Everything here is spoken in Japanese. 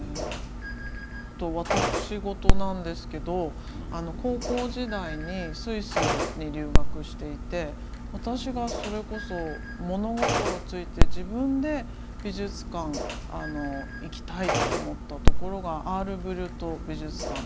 私事なんですけど高校時代にスイスに留学していて私がそれこそ物心ついて自分で美術館行きたいと思ったところがアール・ブリュット美術館で。